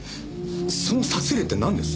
その札入れってなんです？